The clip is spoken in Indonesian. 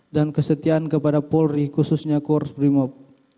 dan kesetiaan kepada polri khususnya kurs primob